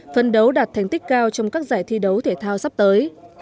phân đấu đạt thành tích cao trong các giải thi đấu thể thao sắp tới